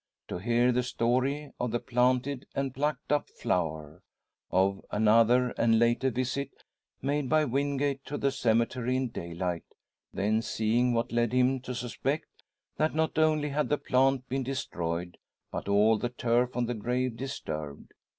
To hear the story of the planted and plucked up flower; of another and later visit made by Wingate to the cemetery in daylight, then seeing what led him to suspect, that not only had the plant been destroyed, but all the turf on the grave disturbed!